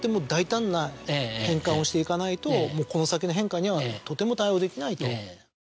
していかないとこの先の変化にはとても対応できないと。